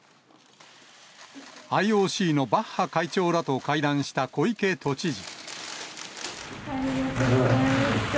ＩＯＣのバッハ会長らと会談した小池都知事。